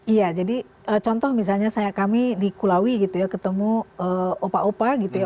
iya jadi contoh misalnya saya kami di kulawi gitu ya ketemu opa opa gitu ya